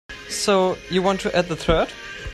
So you want to add a third?